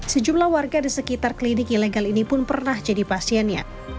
sejumlah warga di sekitar klinik ilegal ini pun pernah jadi pasiennya